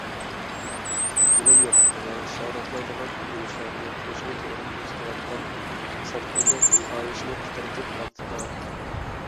زۇلۇم يوقلىقىغا ئىشارەتلەيدىغان قىلمىشلارنى قىلىشنى توغرا كۆرسىتىۋاتقان، ساتقۇنلۇق خاھىشىنى قۇترىتىپ ئاكتىپلاۋاتقان.